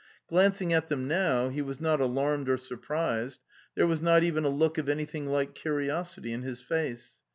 Glancing at them now, he was not alarmed or surprised; there was not even a look of anything like curiosity in his face.